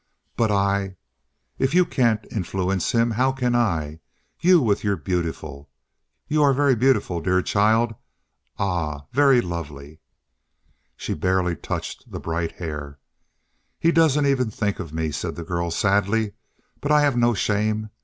"But I if you can't influence him, how can I? You with your beautiful you are very beautiful, dear child. Ah, very lovely!" She barely touched the bright hair. "He doesn't even think of me," said the girl sadly. "But I have no shame.